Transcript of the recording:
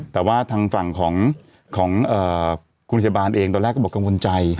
แต่ว่าทางฝั่งของคุณพยาบาลเองตอนแรกก็บอกกังวลใจ